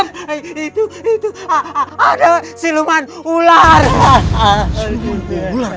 ngapain gue kenapa engkau main gimana